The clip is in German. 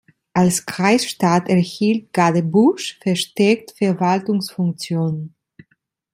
Als Kreisstadt erhielt Gadebusch verstärkt Verwaltungsfunktionen.